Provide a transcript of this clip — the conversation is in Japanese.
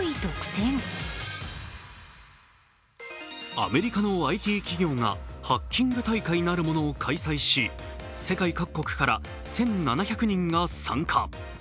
アメリカのＩＴ企業がハッキング大会なるものを開催し世界各国から１７００人が参加。